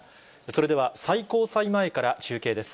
それでは最高裁前から中継です。